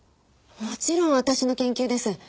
もちろん私の研究です。